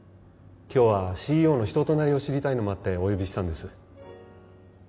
今日はＣＥＯの人となりを知りたいのもあってお呼びしたんです